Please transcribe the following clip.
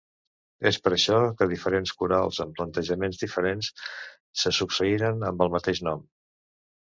És per això que diferents corals, amb plantejaments diferents, se succeïren amb el mateix nom.